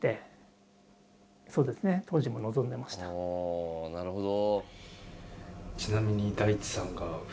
ああなるほど。